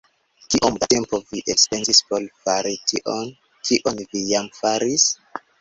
Kiom da tempo vi elspezis por fari tion, kion vi jam faris?